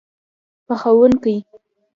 پخوونکی